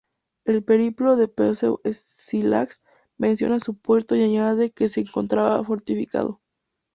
El "Periplo de Pseudo-Escílax" menciona su puerto y añade que se encontraba fortificado.